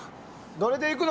どれでいくの？